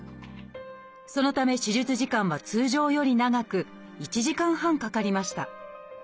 そのため手術時間は通常より長く１時間半かかりました。